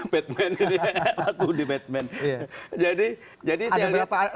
batman ini aku di batman jadi jadi saya lihat